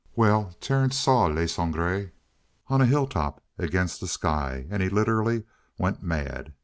Well, Terence saw Le Sangre on a hilltop against the sky. And he literally went mad.